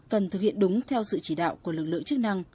cần thực hiện đúng theo sự chỉ đạo của lực lượng chức năng